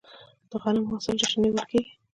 د غنمو د حاصل جشن نیول کیږي.